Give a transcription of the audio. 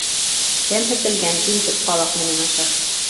Кәмһетелгән кимтек ҡалаҡ менән ашар.